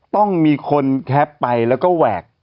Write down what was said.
ต้องมีคนแคปไปแล้วก็แหวก